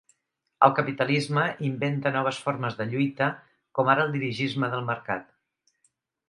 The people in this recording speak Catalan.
El capitalisme inventa noves formes de lluita com ara el dirigisme del mercat.